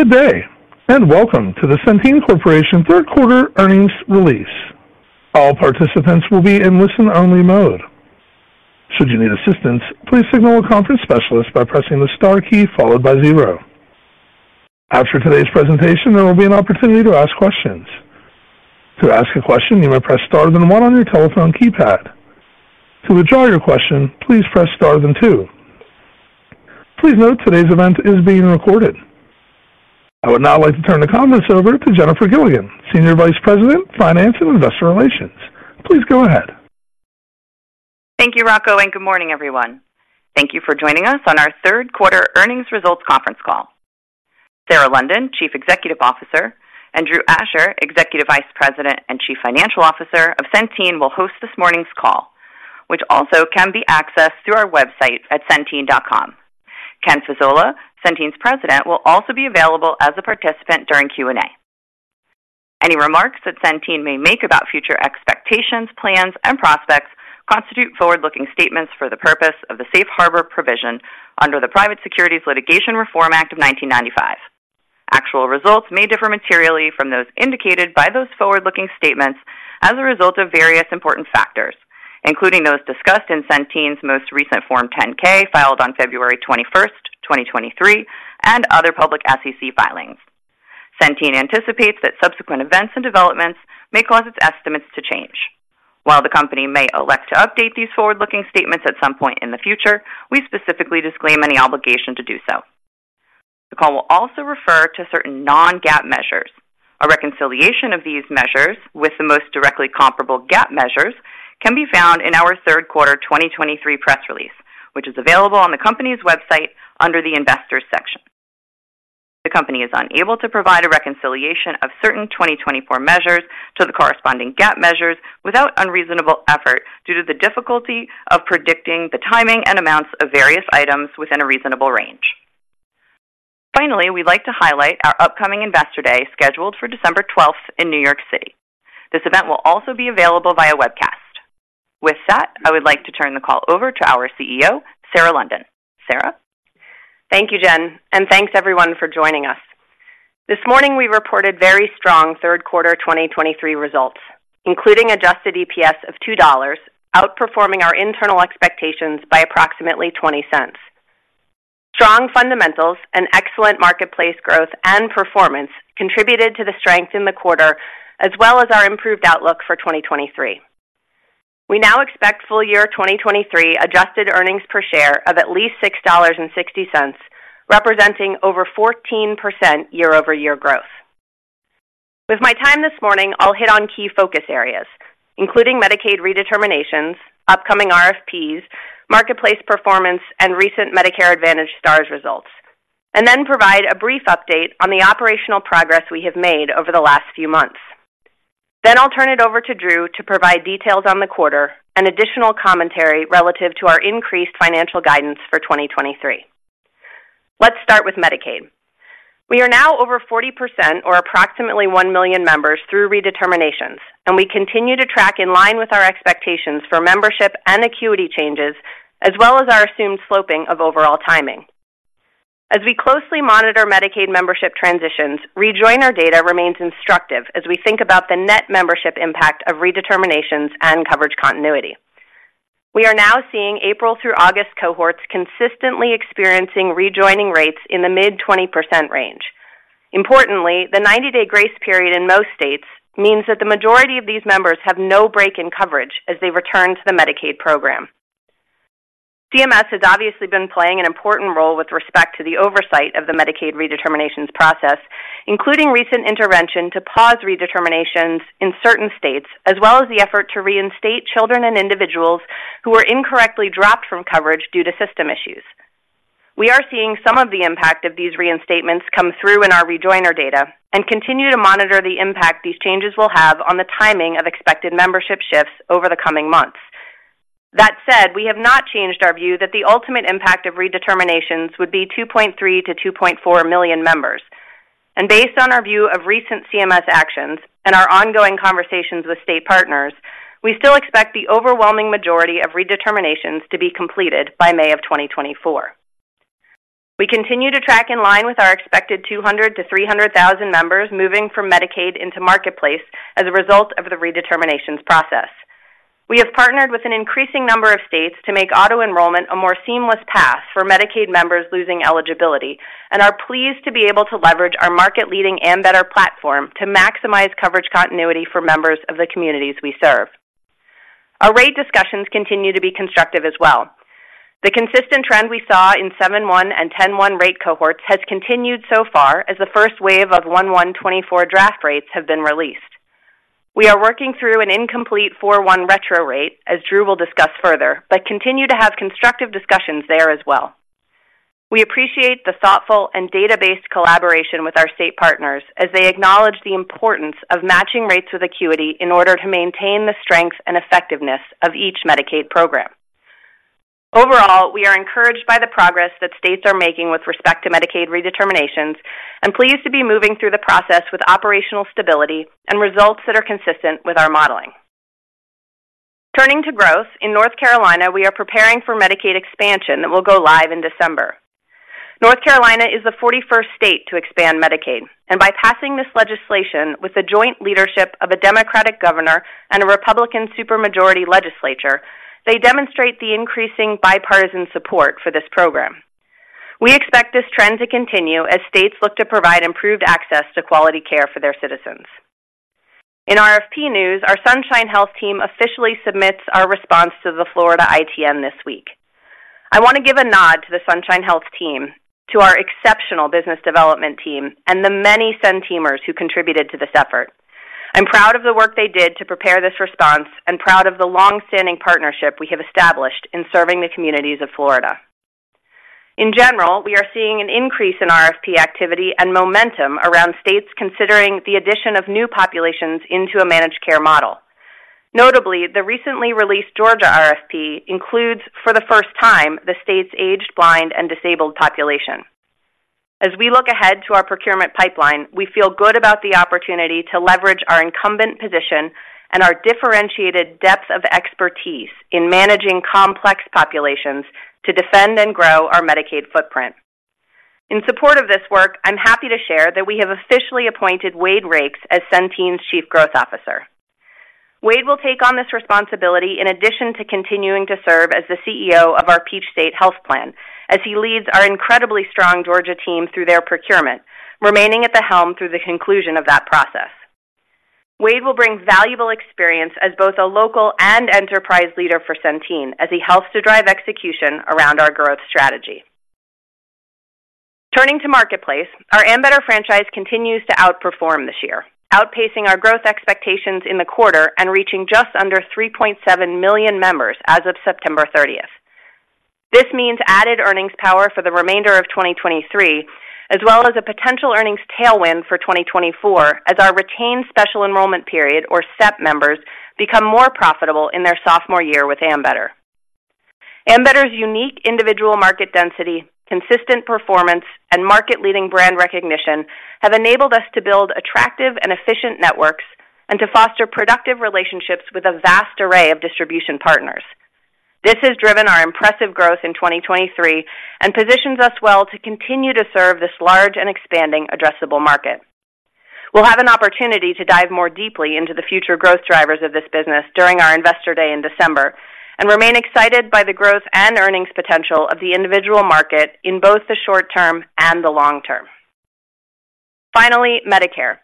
Good day, and welcome to the Centene Corporation third quarter earnings release. All participants will be in listen-only mode. Should you need assistance, please signal a conference specialist by pressing the star key followed by zero. After today's presentation, there will be an opportunity to ask questions. To ask a question, you may press star then one on your telephone keypad. To withdraw your question, please press star then two. Please note, today's event is being recorded. I would now like to turn the conference over to Jennifer Gilligan, Senior Vice President, Finance and Investor Relations. Please go ahead. Thank you, Rocco, and good morning, everyone. Thank you for joining us on our third quarter earnings results conference call. Sarah London, Chief Executive Officer, and Drew Asher, Executive Vice President and Chief Financial Officer of Centene, will host this morning's call, which also can be accessed through our website at centene.com. Ken Fasola, Centene's President, will also be available as a participant during Q&A. Any remarks that Centene may make about future expectations, plans, and prospects constitute forward-looking statements for the purpose of the Safe Harbor Provision under the Private Securities Litigation Reform Act of 1995. Actual results may differ materially from those indicated by those forward-looking statements as a result of various important factors, including those discussed in Centene's most recent Form 10-K, filed on February 21st, 2023, and other public SEC filings. Centene anticipates that subsequent events and developments may cause its estimates to change. While the company may elect to update these forward-looking statements at some point in the future, we specifically disclaim any obligation to do so. The call will also refer to certain non-GAAP measures. A reconciliation of these measures with the most directly comparable GAAP measures can be found in our third quarter 2023 press release, which is available on the company's website under the Investors section. The company is unable to provide a reconciliation of certain 2024 measures to the corresponding GAAP measures without unreasonable effort due to the difficulty of predicting the timing and amounts of various items within a reasonable range. Finally, we'd like to highlight our upcoming Investor Day, scheduled for December 12 in New York City. This event will also be available via webcast. With that, I would like to turn the call over to our CEO, Sarah London. Sarah? Thank you, Jen, and thanks, everyone, for joining us. This morning, we reported very strong third quarter 2023 results, including adjusted EPS of $2, outperforming our internal expectations by approximately $0.20. Strong fundamentals and excellent marketplace growth and performance contributed to the strength in the quarter, as well as our improved outlook for 2023. We now expect full year 2023 adjusted earnings per share of at least $6.60, representing over 14% year-over-year growth. With my time this morning, I'll hit on key focus areas, including Medicaid redeterminations, upcoming RFPs, marketplace performance, and recent Medicare Advantage Stars results, and then provide a brief update on the operational progress we have made over the last few months. Then I'll turn it over to Drew to provide details on the quarter and additional commentary relative to our increased financial guidance for 2023. Let's start with Medicaid. We are now over 40% or approximately 1 million members through redeterminations, and we continue to track in line with our expectations for membership and acuity changes, as well as our assumed sloping of overall timing. As we closely monitor Medicaid membership transitions, rejoiner data remains instructive as we think about the net membership impact of redeterminations and coverage continuity. We are now seeing April through August cohorts consistently experiencing rejoining rates in the mid-20% range. Importantly, the 90-day grace period in most states means that the majority of these members have no break in coverage as they return to the Medicaid program. CMS has obviously been playing an important role with respect to the oversight of the Medicaid redeterminations process, including recent intervention to pause redeterminations in certain states, as well as the effort to reinstate children and individuals who were incorrectly dropped from coverage due to system issues. We are seeing some of the impact of these reinstatements come through in our rejoiner data and continue to monitor the impact these changes will have on the timing of expected membership shifts over the coming months. That said, we have not changed our view that the ultimate impact of redeterminations would be 2.3-2.4 million members. Based on our view of recent CMS actions and our ongoing conversations with state partners, we still expect the overwhelming majority of redeterminations to be completed by May 2024. We continue to track in line with our expected 200,000-300,000 members moving from Medicaid into Marketplace as a result of the redeterminations process. We have partnered with an increasing number of states to make auto-enrollment a more seamless path for Medicaid members losing eligibility and are pleased to be able to leverage our market-leading Ambetter platform to maximize coverage continuity for members of the communities we serve. Our rate discussions continue to be constructive as well. The consistent trend we saw in 7/1 and 10/1 rate cohorts has continued so far as the first wave of 1/1/2024 draft rates have been released. We are working through an incomplete 4/1 retro rate, as Drew will discuss further, but continue to have constructive discussions there as well. We appreciate the thoughtful and data-based collaboration with our state partners as they acknowledge the importance of matching rates with acuity in order to maintain the strength and effectiveness of each Medicaid program. Overall, we are encouraged by the progress that states are making with respect to Medicaid redeterminations and pleased to be moving through the process with operational stability and results that are consistent with our modeling. Turning to growth, in North Carolina, we are preparing for Medicaid expansion that will go live in December. North Carolina is the 41st state to expand Medicaid, and by passing this legislation with the joint leadership of a Democratic governor and a Republican supermajority legislature, they demonstrate the increasing bipartisan support for this program. We expect this trend to continue as states look to provide improved access to quality care for their citizens. In RFP news, our Sunshine Health team officially submits our response to the Florida ITM this week. I want to give a nod to the Sunshine Health team, to our exceptional business development team, and the many Centene teamers who contributed to this effort. I'm proud of the work they did to prepare this response and proud of the long-standing partnership we have established in serving the communities of Florida. In general, we are seeing an increase in RFP activity and momentum around states considering the addition of new populations into a managed care model. Notably, the recently released Georgia RFP includes, for the first time, the state's aged, blind, and disabled population. As we look ahead to our procurement pipeline, we feel good about the opportunity to leverage our incumbent position and our differentiated depth of expertise in managing complex populations to defend and grow our Medicaid footprint. In support of this work, I'm happy to share that we have officially appointed Wade Rakes as Centene's Chief Growth Officer. Wade will take on this responsibility in addition to continuing to serve as the CEO of our Peach State Health Plan as he leads our incredibly strong Georgia team through their procurement, remaining at the helm through the conclusion of that process. Wade will bring valuable experience as both a local and enterprise leader for Centene as he helps to drive execution around our growth strategy. Turning to Marketplace, our Ambetter franchise continues to outperform this year, outpacing our growth expectations in the quarter and reaching just under 3.7 million members as of September 30th. This means added earnings power for the remainder of 2023, as well as a potential earnings tailwind for 2024, as our retained special enrollment period, or SEP members, become more profitable in their sophomore year with Ambetter. Ambetter's unique individual market density, consistent performance, and market-leading brand recognition have enabled us to build attractive and efficient networks and to foster productive relationships with a vast array of distribution partners. This has driven our impressive growth in 2023 and positions us well to continue to serve this large and expanding addressable market. We'll have an opportunity to dive more deeply into the future growth drivers of this business during our Investor Day in December and remain excited by the growth and earnings potential of the individual market in both the short term and the long term. Finally, Medicare.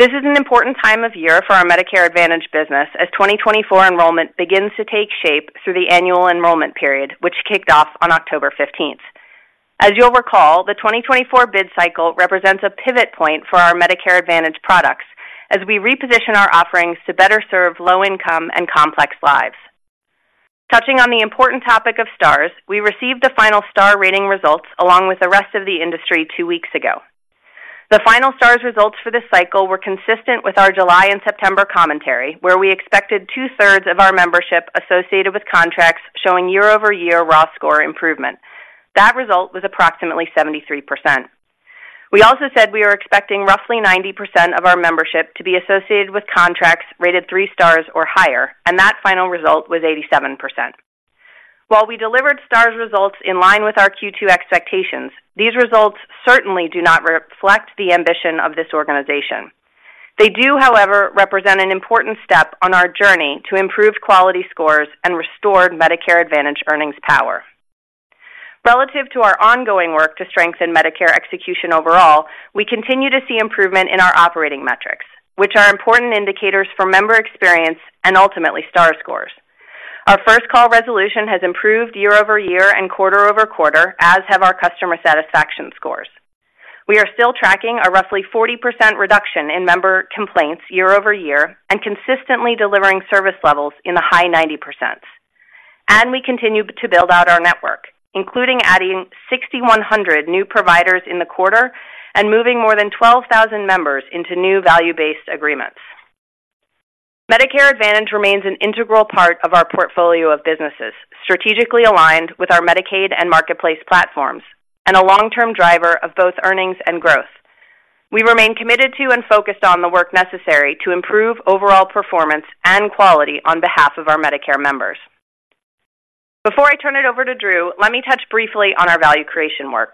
This is an important time of year for our Medicare Advantage business as 2024 enrollment begins to take shape through the annual enrollment period, which kicked off on October 15th. As you'll recall, the 2024 bid cycle represents a pivot point for our Medicare Advantage products as we reposition our offerings to better serve low income and complex lives. Touching on the important topic of Stars, we received the final Star Rating results along with the rest of the industry two weeks ago. The final Stars results for this cycle were consistent with our July and September commentary, where we expected two-thirds of our membership associated with contracts showing year-over-year raw score improvement. That result was approximately 73%. We also said we were expecting roughly 90% of our membership to be associated with contracts rated three stars or higher, and that final result was 87%. While we delivered Stars results in line with our Q2 expectations, these results certainly do not reflect the ambition of this organization. They do, however, represent an important step on our journey to improved quality scores and restored Medicare Advantage earnings power. Relative to our ongoing work to strengthen Medicare execution overall, we continue to see improvement in our operating metrics, which are important indicators for member experience and ultimately star scores. Our first call resolution has improved year-over-year and quarter-over-quarter, as have our customer satisfaction scores. We are still tracking a roughly 40% reduction in member complaints year-over-year and consistently delivering service levels in the high 90%. We continue to build out our network, including adding 6,100 new providers in the quarter and moving more than 12,000 members into new value-based agreements. Medicare Advantage remains an integral part of our portfolio of businesses, strategically aligned with our Medicaid and Marketplace platforms and a long-term driver of both earnings and growth. We remain committed to and focused on the work necessary to improve overall performance and quality on behalf of our Medicare members. Before I turn it over to Drew, let me touch briefly on our value creation work.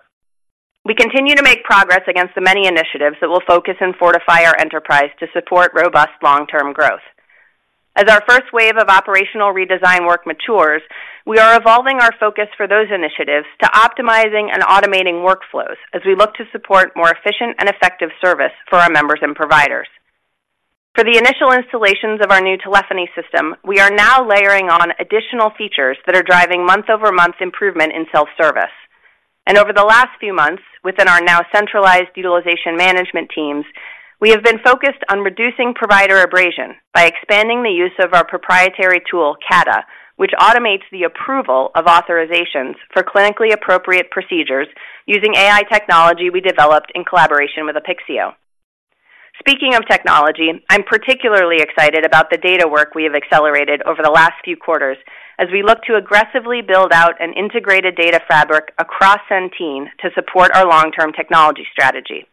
We continue to make progress against the many initiatives that will focus and fortify our enterprise to support robust long-term growth. As our first wave of operational redesign work matures, we are evolving our focus for those initiatives to optimizing and automating workflows as we look to support more efficient and effective service for our members and providers. For the initial installations of our new telephony system, we are now layering on additional features that are driving month-over-month improvement in self-service. Over the last few months, within our now centralized utilization management teams, we have been focused on reducing provider abrasion by expanding the use of our proprietary tool, CADA, which automates the approval of authorizations for clinically appropriate procedures using AI technology we developed in collaboration with Apixio. Speaking of technology, I'm particularly excited about the data work we have accelerated over the last few quarters as we look to aggressively build out an integrated data fabric across Centene to support our long-term technology strategy.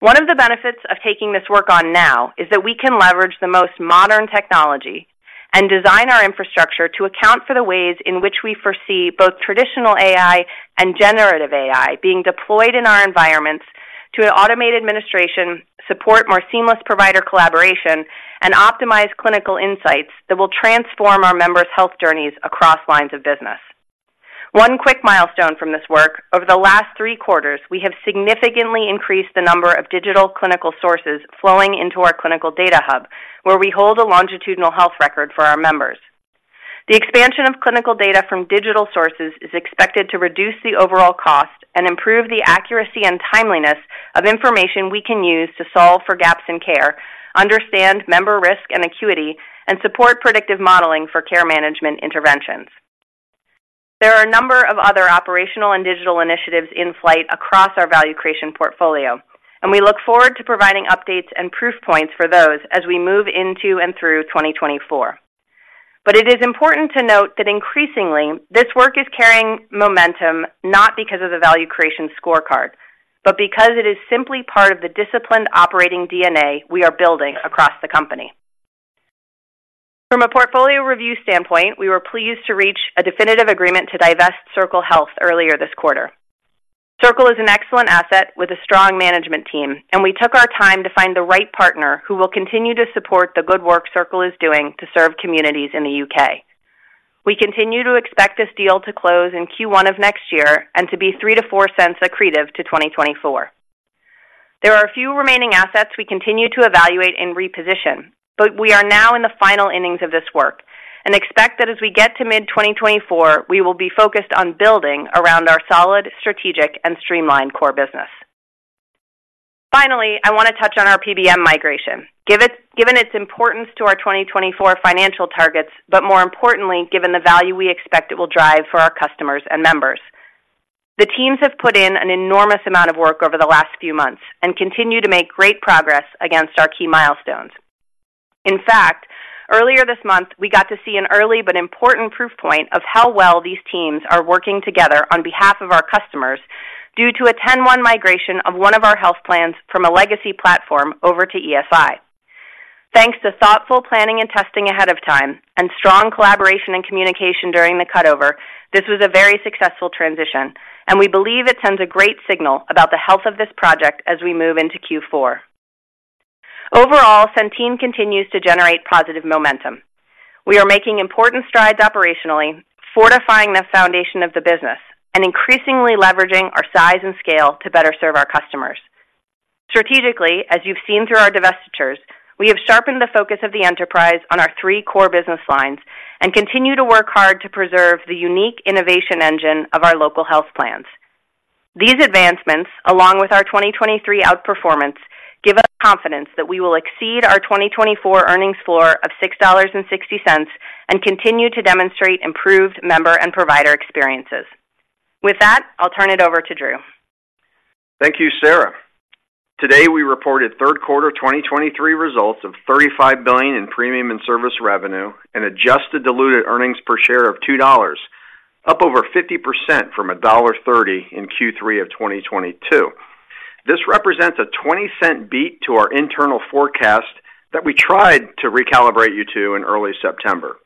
One of the benefits of taking this work on now is that we can leverage the most modern technology and design our infrastructure to account for the ways in which we foresee both traditional AI and generative AI being deployed in our environments to automate administration, support more seamless provider collaboration, and optimize clinical insights that will transform our members' health journeys across lines of business. One quick milestone from this work, over the last three quarters, we have significantly increased the number of digital clinical sources flowing into our clinical data hub, where we hold a longitudinal health record for our members. The expansion of clinical data from digital sources is expected to reduce the overall cost and improve the accuracy and timeliness of information we can use to solve for gaps in care, understand member risk and acuity, and support predictive modeling for care management interventions. There are a number of other operational and digital initiatives in flight across our value creation portfolio, and we look forward to providing updates and proof points for those as we move into and through 2024. But it is important to note that increasingly, this work is carrying momentum, not because of the value creation scorecard, but because it is simply part of the disciplined operating DNA we are building across the company. From a portfolio review standpoint, we were pleased to reach a definitive agreement to divest Circle Health earlier this quarter. Circle is an excellent asset with a strong management team, and we took our time to find the right partner who will continue to support the good work Circle is doing to serve communities in the U.K. We continue to expect this deal to close in Q1 of next year and to be $0.03-$0.04 accretive to 2024. There are a few remaining assets we continue to evaluate and reposition, but we are now in the final innings of this work and expect that as we get to mid-2024, we will be focused on building around our solid, strategic, and streamlined core business. Finally, I want to touch on our PBM migration, given its importance to our 2024 financial targets, but more importantly, given the value we expect it will drive for our customers and members. The teams have put in an enormous amount of work over the last few months and continue to make great progress against our key milestones. In fact, earlier this month, we got to see an early but important proof point of how well these teams are working together on behalf of our customers due to a 10-1 migration of one of our health plans from a legacy platform over to ESI. Thanks to thoughtful planning and testing ahead of time and strong collaboration and communication during the cutover, this was a very successful transition, and we believe it sends a great signal about the health of this project as we move into Q4. Overall, Centene continues to generate positive momentum. We are making important strides operationally, fortifying the foundation of the business, and increasingly leveraging our size and scale to better serve our customers. Strategically, as you've seen through our divestitures, we have sharpened the focus of the enterprise on our three core business lines and continue to work hard to preserve the unique innovation engine of our local health plans. These advancements, along with our 2023 outperformance, give us confidence that we will exceed our 2024 earnings floor of $6.60 and continue to demonstrate improved member and provider experiences. With that, I'll turn it over to Drew. Thank you, Sarah. Today, we reported third quarter 2023 results of $35 billion in premium and service revenue, and adjusted diluted earnings per share of $2, up over 50% from $1.30 in Q3 of 2022. This represents a $0.20 beat to our internal forecast that we tried to recalibrate you to in early September.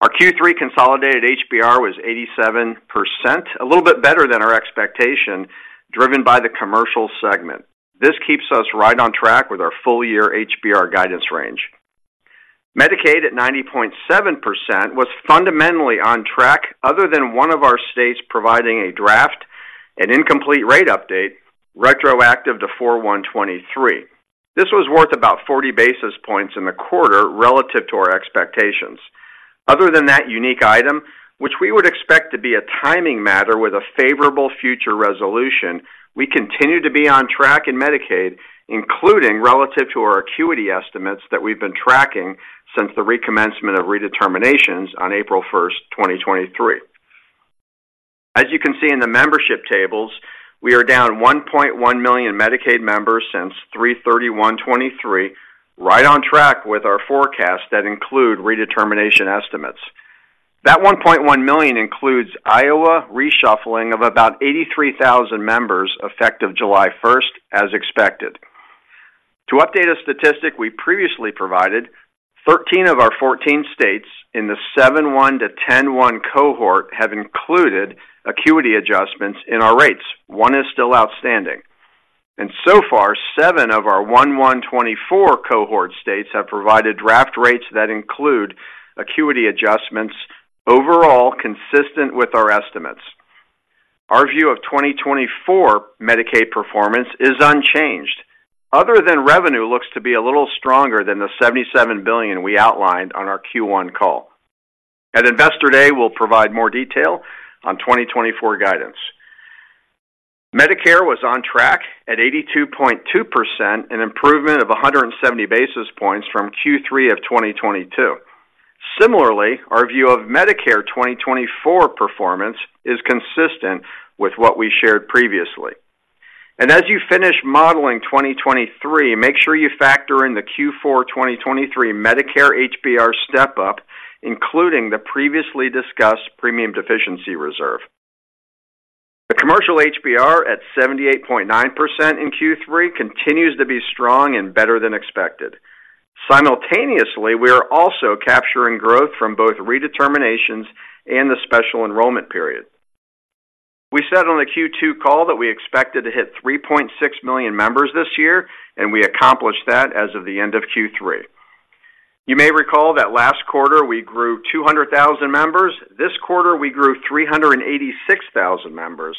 Our Q3 consolidated HBR was 87%, a little bit better than our expectation, driven by the commercial segment. This keeps us right on track with our full year HBR guidance range. Medicaid, at 90.7%, was fundamentally on track, other than one of our states providing a draft, an incomplete rate update, retroactive to 4/1/2023. This was worth about 40 basis points in the quarter relative to our expectations. Other than that unique item, which we would expect to be a timing matter with a favorable future resolution, we continue to be on track in Medicaid, including relative to our acuity estimates that we've been tracking since the recommencement of redeterminations on April 1st, 2023. As you can see in the membership tables, we are down 1.1 million Medicaid members since 3/31/2023, right on track with our forecast that include redetermination estimates. That 1.1 million includes Iowa reshuffling of about 83,000 members, effective July 1st, as expected. To update a statistic we previously provided, 13 of our 14 states in the 7/1 to 10/1 cohort have included acuity adjustments in our rates. One is still outstanding. So far, seven of our 1/1/2024 cohort states have provided draft rates that include acuity adjustments, overall consistent with our estimates. Our view of 2024 Medicaid performance is unchanged, other than revenue looks to be a little stronger than the $77 billion we outlined on our Q1 call. At Investor Day, we'll provide more detail on 2024 guidance. Medicare was on track at 82.2%, an improvement of 170 basis points from Q3 of 2022. Similarly, our view of Medicare 2024 performance is consistent with what we shared previously. As you finish modeling 2023, make sure you factor in the Q4 2023 Medicare HBR step up, including the previously discussed premium deficiency reserve. The commercial HBR, at 78.9% in Q3, continues to be strong and better than expected. Simultaneously, we are also capturing growth from both redeterminations and the special enrollment period. We said on the Q2 call that we expected to hit 3.6 million members this year, and we accomplished that as of the end of Q3. You may recall that last quarter, we grew 200,000 members. This quarter, we grew 386,000 members.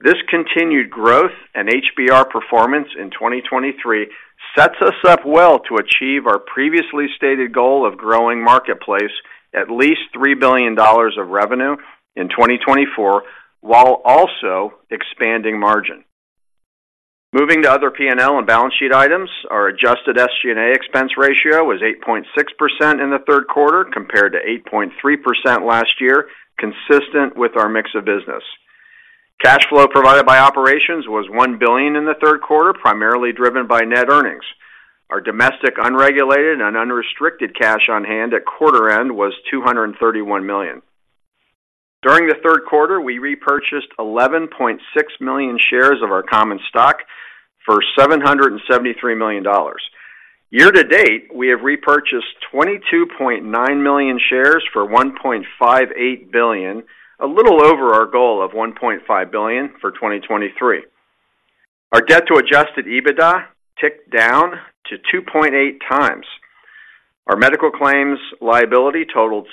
This continued growth and HBR performance in 2023 sets us up well to achieve our previously stated goal of growing marketplace at least $3 billion of revenue in 2024, while also expanding margin. Moving to other PNL and balance sheet items, our adjusted SG&A expense ratio was 8.6% in the third quarter, compared to 8.3% last year, consistent with our mix of business. Cash flow provided by operations was $1 billion in the third quarter, primarily driven by net earnings. Our domestic unregulated and unrestricted cash on hand at quarter end was $231 million. During the third quarter, we repurchased 11.6 million shares of our common stock for $773 million. Year-to-date, we have repurchased 22.9 million shares for $1.58 billion, a little over our goal of $1.5 billion for 2023. Our debt to Adjusted EBITDA ticked down to 2.8 times. Our medical claims liability totaled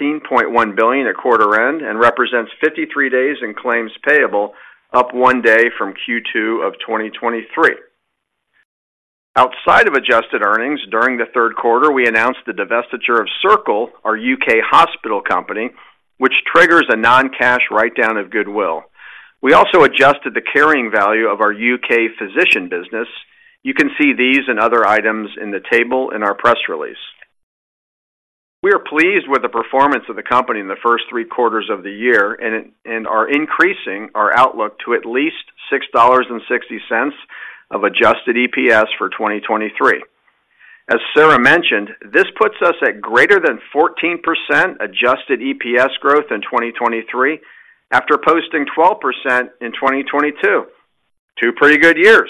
$17.1 billion at quarter end and represents 53 days in claims payable, up one day from Q2 of 2023. Outside of adjusted earnings, during the third quarter, we announced the divestiture of Circle, our U.K. hospital company, which triggers a non-cash write-down of goodwill. We also adjusted the carrying value of our U.K. physician business. You can see these and other items in the table in our press release. We are pleased with the performance of the company in the first three quarters of the year and are increasing our outlook to at least $6.60 of adjusted EPS for 2023. As Sarah mentioned, this puts us at greater than 14% adjusted EPS growth in 2023, after posting 12% in 2022. Two pretty good years.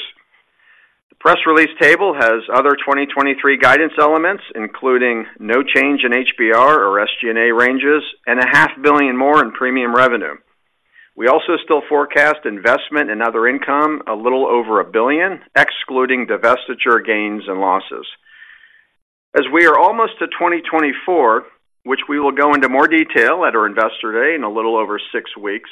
The press release table has other 2023 guidance elements, including no change in HBR or SG&A ranges, and $500 million more in premium revenue. We also still forecast investment and other income, a little over $1 billion, excluding divestiture gains and losses. As we are almost to 2024, which we will go into more detail at our Investor Day in a little over six weeks,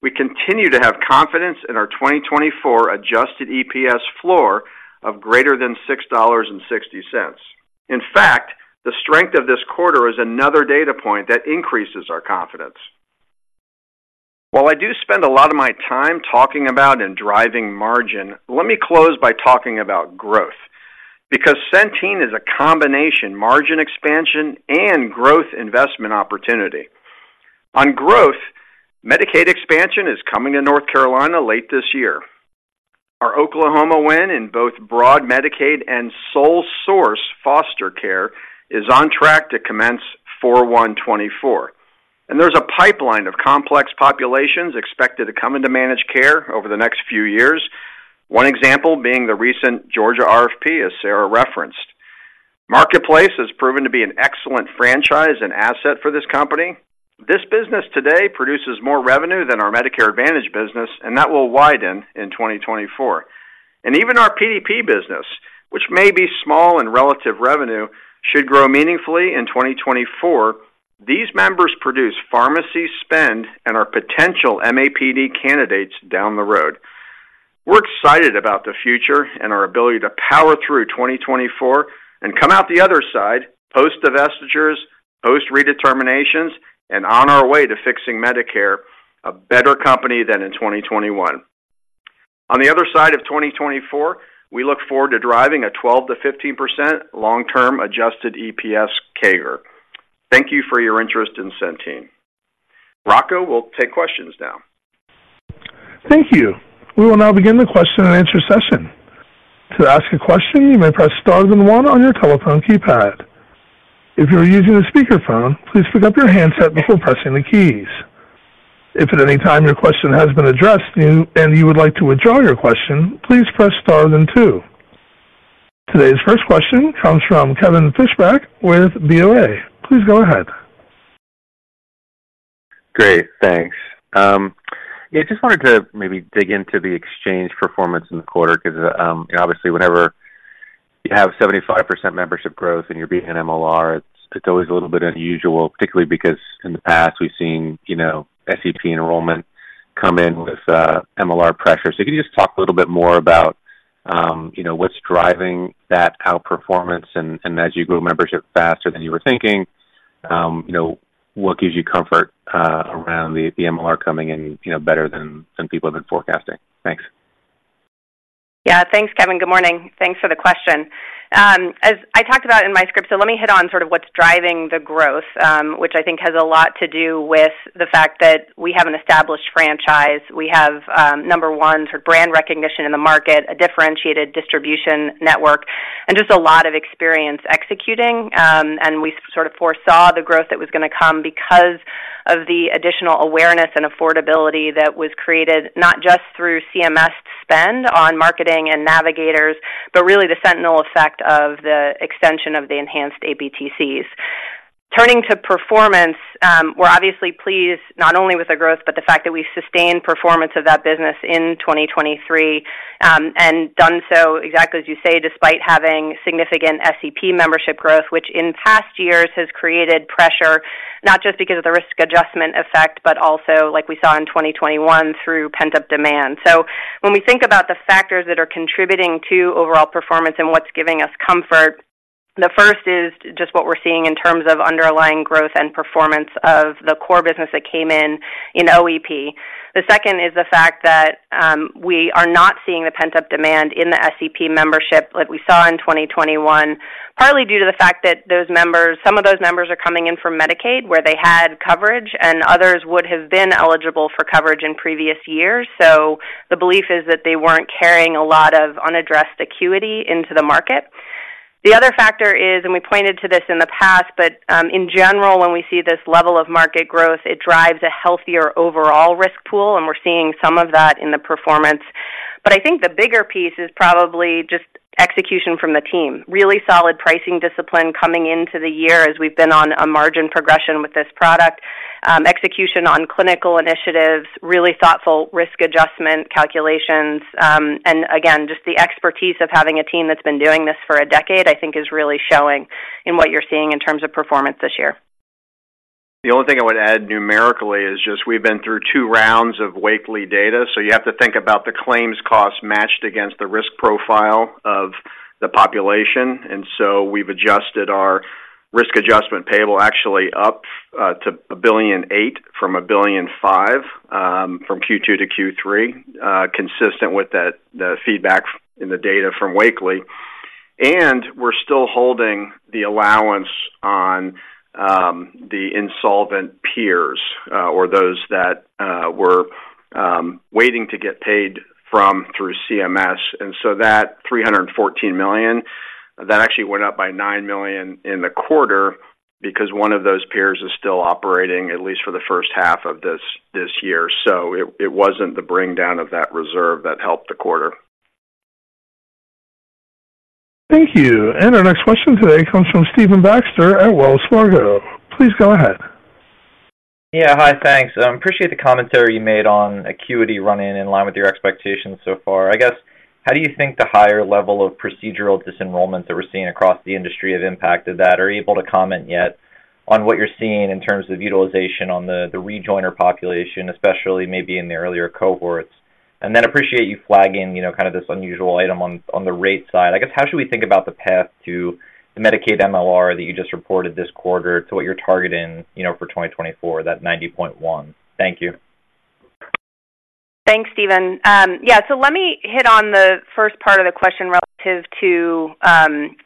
we continue to have confidence in our 2024 adjusted EPS floor of greater than $6.60. In fact, the strength of this quarter is another data point that increases our confidence. While I do spend a lot of my time talking about and driving margin, let me close by talking about growth, because Centene is a combination margin expansion and growth investment opportunity. On growth, Medicaid expansion is coming to North Carolina late this year. Our Oklahoma win in both broad Medicaid and sole source foster care is on track to commence 4/1/2024, and there's a pipeline of complex populations expected to come into managed care over the next few years. One example being the recent Georgia RFP, as Sarah referenced. Marketplace has proven to be an excellent franchise and asset for this company. This business today produces more revenue than our Medicare Advantage business, and that will widen in 2024. Even our PDP business, which may be small in relative revenue, should grow meaningfully in 2024. These members produce pharmacy spend and are potential MAPD candidates down the road. We're excited about the future and our ability to power through 2024 and come out the other side, post divestitures, post redeterminations, and on our way to fixing Medicare, a better company than in 2021. On the other side of 2024, we look forward to driving a 12%-15% long-term adjusted EPS CAGR. Thank you for your interest in Centene. Rocco, we'll take questions now. Thank you. We will now begin the question and answer session. To ask a question, you may press star then one on your telephone keypad. If you are using a speakerphone, please pick up your handset before pressing the keys. If at any time your question has been addressed and you would like to withdraw your question, please press star then two. Today's first question comes from Kevin Fischbeck with BoA. Please go ahead. Great, thanks. Yeah, just wanted to maybe dig into the exchange performance in the quarter, because, obviously, whenever you have 75% membership growth and you're beating MLR, it's, it's always a little bit unusual, particularly because in the past, we've seen, you know, SEP enrollment come in with, MLR pressure. So can you just talk a little bit more about, you know, what's driving that outperformance? And, and as you grow membership faster than you were thinking, you know, what gives you comfort, around the MLR coming in, you know, better than, than people have been forecasting? Thanks. Yeah, thanks, Kevin. Good morning. Thanks for the question. As I talked about in my script, so let me hit on sort of what's driving the growth, which I think has a lot to do with the fact that we have an established franchise. We have, number one, sort of brand recognition in the market, a differentiated distribution network, and just a lot of experience executing, and we sort of foresaw the growth that was gonna come because of the additional awareness and affordability that was created, not just through CMS spend on marketing and navigators, but really the sentinel effect of the extension of the enhanced APTCs. Turning to performance, we're obviously pleased not only with the growth, but the fact that we sustained performance of that business in 2023, and done so exactly, as you say, despite having significant SEP membership growth, which in past years has created pressure, not just because of the risk adjustment effect, but also like we saw in 2021, through pent-up demand. So when we think about the factors that are contributing to overall performance and what's giving us comfort, the first is just what we're seeing in terms of underlying growth and performance of the core business that came in in OEP. The second is the fact that, we are not seeing the pent-up demand in the SEP membership like we saw in 2021, partly due to the fact that those members, some of those members are coming in from Medicaid, where they had coverage, and others would have been eligible for coverage in previous years. So the belief is that they weren't carrying a lot of unaddressed acuity into the market. The other factor is, and we pointed to this in the past, but, in general, when we see this level of market growth, it drives a healthier overall risk pool, and we're seeing some of that in the performance. But I think the bigger piece is probably just execution from the team. Really solid pricing discipline coming into the year as we've been on a margin progression with this product, execution on clinical initiatives, really thoughtful risk adjustment calculations, and again, just the expertise of having a team that's been doing this for a decade, I think is really showing in what you're seeing in terms of performance this year. The only thing I would add numerically is just we've been through two rounds of Wakely data, so you have to think about the claims costs matched against the risk profile of the population. So we've adjusted our risk adjustment payable actually up to $1.8 billion from $1.5 billion from Q2 to Q3 consistent with that, the feedback in the data from Wakely. We're still holding the allowance on the insolvent peers or those that were waiting to get paid from through CMS. So that $314 million, that actually went up by $9 million in the quarter because one of those peers is still operating, at least for the first half of this year. So it wasn't the bring down of that reserve that helped the quarter. Thank you. Our next question today comes from Stephen Baxter at Wells Fargo. Please go ahead. Yeah. Hi, thanks. Appreciate the commentary you made on acuity running in line with your expectations so far. I guess, how do you think the higher level of procedural disenrollment that we're seeing across the industry has impacted that? Are you able to comment yet on what you're seeing in terms of utilization on the, the rejoiner population, especially maybe in the earlier cohorts? And then appreciate you flagging, you know, kind of this unusual item on, on the rate side. I guess, how should we think about the path to the Medicaid MLR that you just reported this quarter to what you're targeting, you know, for 2024, that 90.1%? Thank you. Thanks, Stephen. Yeah, so let me hit on the first part of the question relative to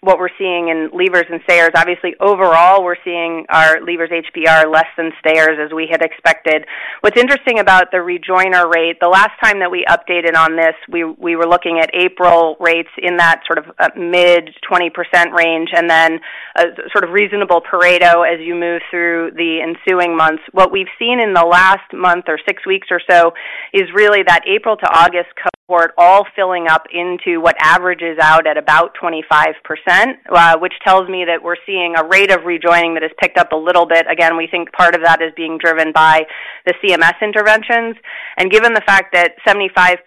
what we're seeing in leavers and stayers. Obviously, overall, we're seeing our leavers HBR less than stayers, as we had expected. What's interesting about the rejoiner rate, the last time that we updated on this, we were looking at April rates in that sort of mid-20% range, and then a sort of reasonable Pareto as you move through the ensuing months. What we've seen in the last month or six weeks or so is really that April to August cohort all filling up into what averages out at about 25%, which tells me that we're seeing a rate of rejoining that has picked up a little bit. Again, we think part of that is being driven by the CMS interventions. Given the fact that 75%,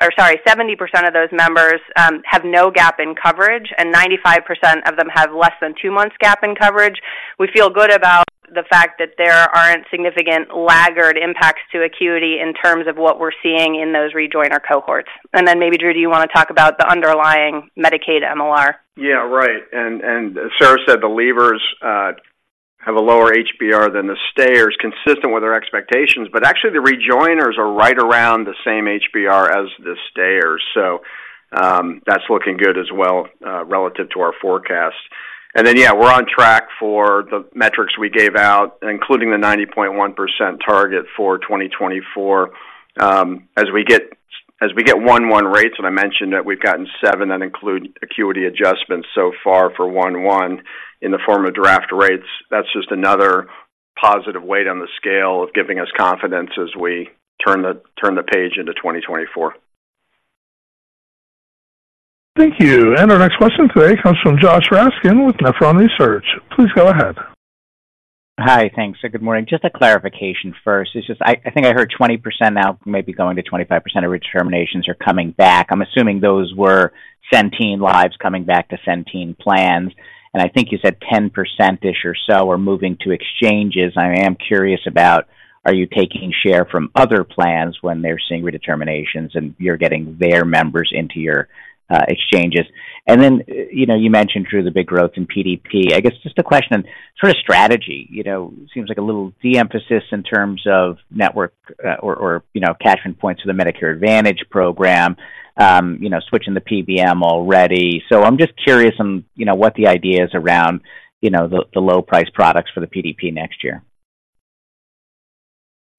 or sorry, 70% of those members have no gap in coverage and 95% of them have less than two months gap in coverage, we feel good about the fact that there aren't significant laggard impacts to acuity in terms of what we're seeing in those rejoiner cohorts. Then maybe, Drew, do you want to talk about the underlying Medicaid MLR? Yeah, right. And as Sarah said, the leavers have a lower HBR than the stayers, consistent with our expectations, but actually, the rejoiners are right around the same HBR as the stayers, so that's looking good as well, relative to our forecast. And then, yeah, we're on track for the metrics we gave out, including the 90.1% target for 2024. As we get 1-1 rates, and I mentioned that we've gotten seven that include acuity adjustments so far for 1-1 in the form of draft rates. That's just another positive weight on the scale of giving us confidence as we turn the page into 2024. Thank you. Our next question today comes from Joshua Raskin with Nephron Research. Please go ahead. Hi, thanks. Good morning. Just a clarification first. It's just I think I heard 20% now, maybe going to 25% of redeterminations are coming back. I'm assuming those were Centene lives coming back to Centene plans, and I think you said 10%-ish or so are moving to exchanges. I am curious about, are you taking share from other plans when they're seeing redeterminations, and you're getting their members into your exchanges? And then, you know, you mentioned, Drew, the big growth in PDP. I guess just a question on sort of strategy. You know, seems like a little de-emphasis in terms of network, or, you know, catchment points for the Medicare Advantage program, you know, switching the PBM already. I'm just curious on, you know, what the idea is around, you know, the low price products for the PDP next year?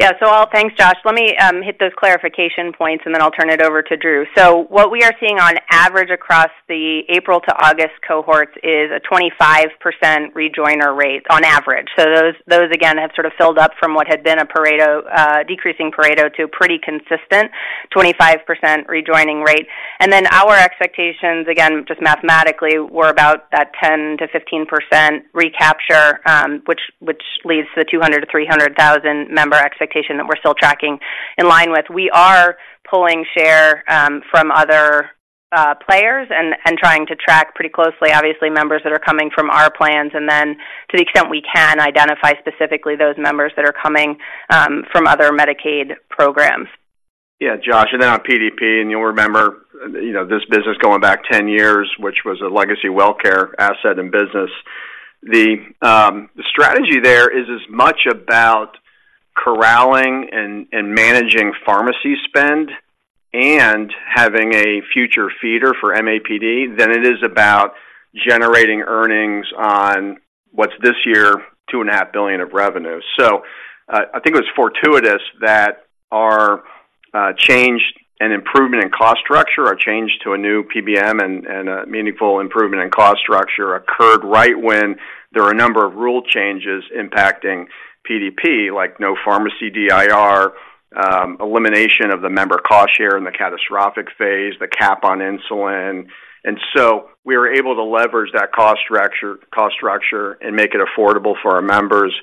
Yeah, so I'll, thanks, Josh. Let me hit those clarification points, and then I'll turn it over to Drew. So what we are seeing on average across the April to August cohorts is a 25% rejoiner rate on average. So those, those, again, have sort of filled up from what had been a Pareto decreasing Pareto to a pretty consistent 25% rejoining rate. And then our expectations, again, just mathematically, were about that 10%-15% recapture, which, which leaves the 200,000-300,000 member expectation that we're still tracking in line with. We are pulling share from other players and trying to track pretty closely, obviously, members that are coming from our plans, and then to the extent we can, identify specifically those members that are coming from other Medicaid programs. Yeah, Josh, and then on PDP, and you'll remember, you know, this business going back 10 years, which was a legacy WellCare asset and business. The strategy there is as much about corralling and managing pharmacy spend and having a future feeder for MAPD than it is about generating earnings on what's this year, $2.5 billion of revenue. So, I think it was fortuitous that our change and improvement in cost structure, our change to a new PBM and a meaningful improvement in cost structure occurred right when there were a number of rule changes impacting PDP, like no pharmacy DIR, elimination of the member cost share in the catastrophic phase, the CAHPS on insulin. And so we were able to leverage that cost structure, cost structure and make it affordable for our members,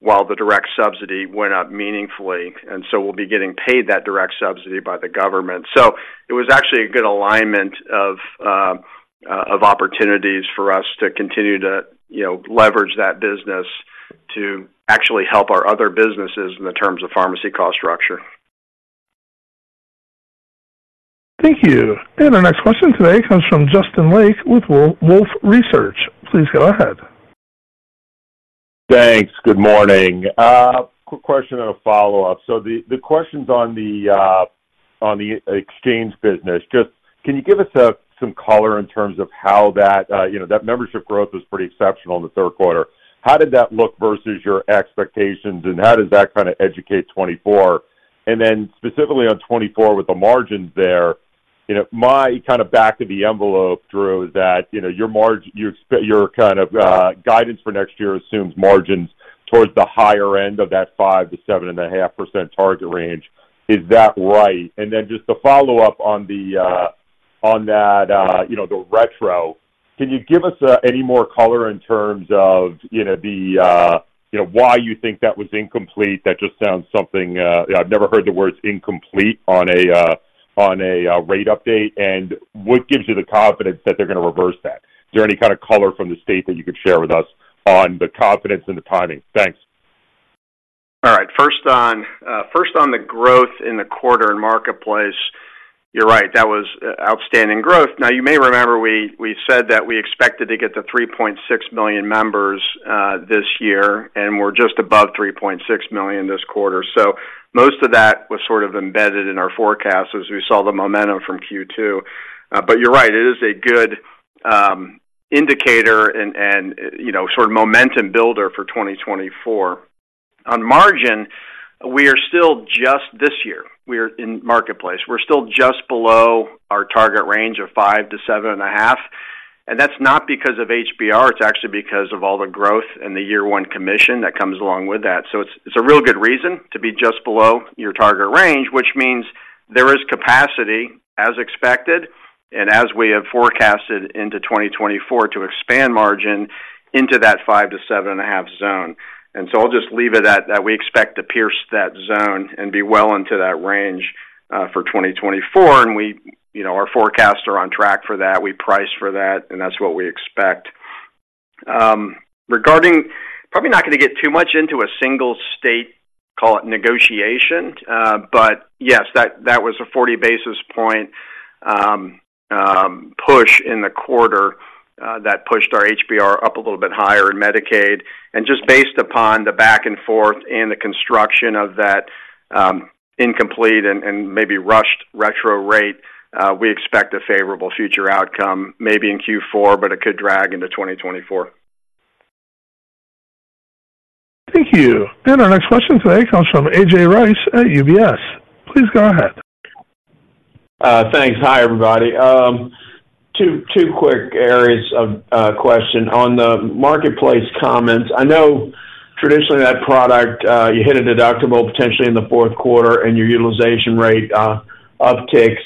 while the direct subsidy went up meaningfully, and so we'll be getting paid that direct subsidy by the government. So it was actually a good alignment of opportunities for us to continue to, you know, leverage that business to actually help our other businesses in the terms of pharmacy cost structure. Thank you. Our next question today comes from Justin Lake with Wolfe Research. Please go ahead. Thanks. Good morning. Quick question and a follow-up. So the questions on the exchange business, just can you give us some color in terms of how that, you know, that membership growth was pretty exceptional in the third quarter. How did that look versus your expectations, and how does that kind of educate 2024? And then specifically on 2024, with the margins there, you know, my kind of back of the envelope, Drew, is that, you know, your kind of guidance for next year assumes margins towards the higher end of that 5%-7.5% target range. Is that right? And then just to follow up on the, on that, you know, the retro, can you give us any more color in terms of, you know, the, you know, why you think that was incomplete? That just sounds something... I've never heard the words incomplete on a, on a, rate update. And what gives you the confidence that they're going to reverse that? Is there any kind of color from the state that you could share with us on the confidence and the timing? Thanks. All right. First on, first, on the growth in the quarter and marketplace, you're right, that was, outstanding growth. Now, you may remember we, we said that we expected to get to 3.6 million members, this year, and we're just above 3.6 million this quarter. So most of that was sort of embedded in our forecast as we saw the momentum from Q2. But you're right, it is a good, indicator and, and, you know, sort of momentum builder for 2024. On margin, we are still just this year. We are in marketplace. We're still just below our target range of 5-7.5, and that's not because of HBR, it's actually because of all the growth in the year one commission that comes along with that. So it's a real good reason to be just below your target range, which means there is capacity, as expected, and as we have forecasted into 2024, to expand margin into that 5-7.5 zone. And so I'll just leave it at that. We expect to pierce that zone and be well into that range, for 2024, and we, you know, our forecasts are on track for that. We price for that, and that's what we expect. Regarding, probably not going to get too much into a single state, call it negotiation, but yes, that was a 40 basis point push in the quarter, that pushed our HBR up a little bit higher in Medicaid. Just based upon the back and forth and the construction of that, incomplete and maybe rushed retro rate, we expect a favorable future outcome, maybe in Q4, but it could drag into 2024. Thank you. Our next question today comes from A.J. Rice at UBS. Please go ahead. Thanks. Hi, everybody. Two quick areas of question. On the marketplace comments, I know traditionally that product, you hit a deductible potentially in the fourth quarter and your utilization rate upticks.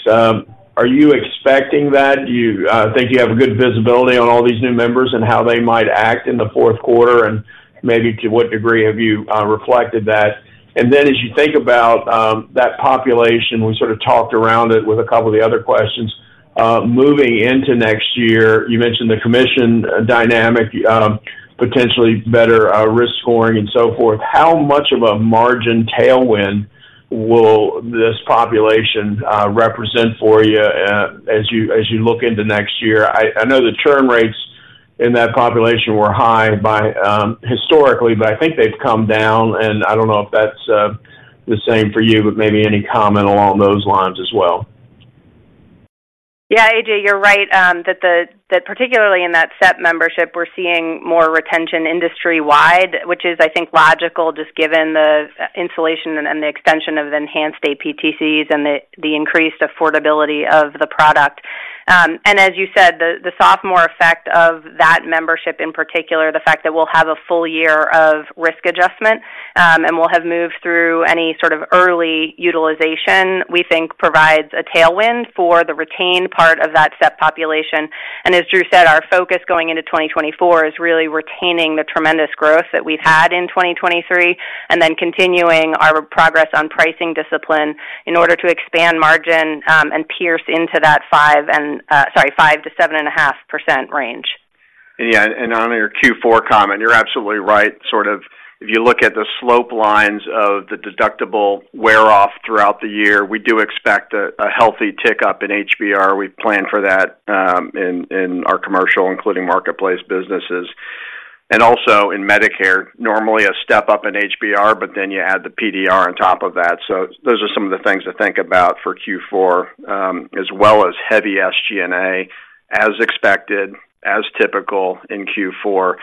Are you expecting that? Do you think you have a good visibility on all these new members and how they might act in the fourth quarter, and maybe to what degree have you reflected that? And then as you think about that population, we sort of talked around it with a couple of the other questions, moving into next year, you mentioned the commission dynamic, potentially better risk scoring and so forth. How much of a margin tailwind will this population represent for you as you look into next year? I know the churn rates in that population were high historically, but I think they've come down, and I don't know if that's the same for you, but maybe any comment along those lines as well? Yeah, A.J., you're right, that particularly in that SEP membership, we're seeing more retention industry-wide, which is, I think, logical, just given the insulation and the extension of enhanced APTCs and the, the increased affordability of the product. And as you said, the, the sophomore effect of that membership, in particular, the fact that we'll have a full year of risk adjustment, and we'll have moved through any sort of early utilization, we think provides a tailwind for the retained part of that SEP population. And as Drew said, our focus going into 2024 is really retaining the tremendous growth that we've had in 2023, and then continuing our progress on pricing discipline in order to expand margin, and pierce into that five and, sorry, five to 7.5% range. Yeah, and on your Q4 comment, you're absolutely right. Sort of, if you look at the slope lines of the deductible wear off throughout the year, we do expect a healthy tick-up in HBR. We plan for that in our commercial, including marketplace businesses, and also in Medicare, normally a step up in HBR, but then you add the PDR on top of that. So those are some of the things to think about for Q4, as well as heavy SG&A, as expected, as typical in Q4,